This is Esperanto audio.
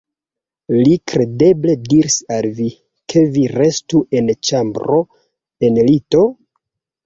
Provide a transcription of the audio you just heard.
Li kredeble diris al vi, ke vi restu en ĉambro en lito?